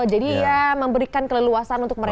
ya memberikan keleluasan untuk mereka